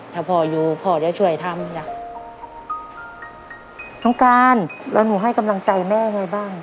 ถ้าพ่ออยู่พ่อจะช่วยทำจ้ะน้องการแล้วหนูให้กำลังใจแม่ไงบ้าง